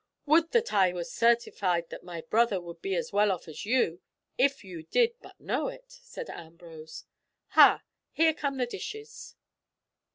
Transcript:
"Would that I were certified that my brother would be as well off as you, if you did but know it," said Ambrose. "Ha! here come the dishes!